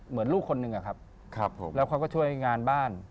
เหมือนลูกคนนึงอะครับครับผมแล้วเขาก็ช่วยงานบ้าน